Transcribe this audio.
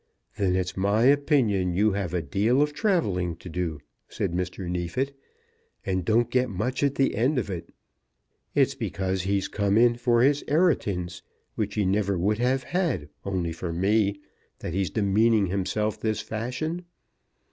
"Then it's my opinion you have a deal of travelling to do," said Mr. Neefit, "and don't get much at the end of it. It's because he's come in for his 'eritance, which he never would have had only for me, that he's demeaning himself this fashion.